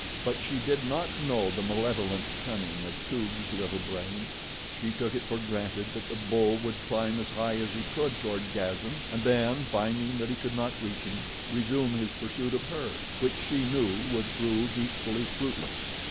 But she did not know the malevolent cunning of Toog's little brain. She took it for granted that the bull would climb as high as he could toward Gazan and then, finding that he could not reach him, resume his pursuit of her, which she knew would prove equally fruitless.